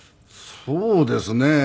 そうですね。